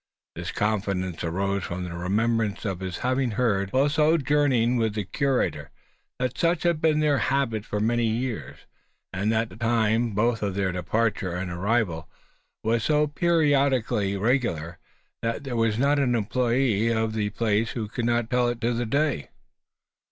This confidence arose from the remembrance of his having heard while sojourning with the Curator that such had been their habit for many years; and that the time, both of their departure and arrival, was so periodically regular, that there was not an employe of the place who could not tell it to a day!